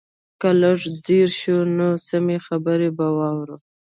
که لږ ځير شو نو سمې خبرې به واورو.